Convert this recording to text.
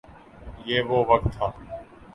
یہ وہ وقت تھا۔